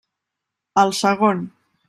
El segon.